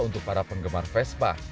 untuk para penggemar vespa